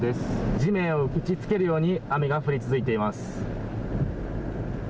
地面を打ちつけるように、雨が降り続いています。